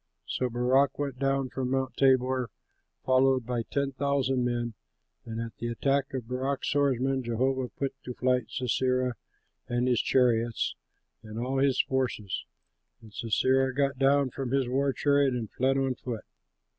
So Barak went down from Mount Tabor followed by ten thousand men; and at the attack of Barak's swordsmen Jehovah put to flight Sisera and his chariots and all his forces, and Sisera got down from his war chariot and fled on foot.